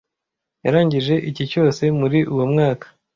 Yarangije icyi cyose muri uwo mwaka.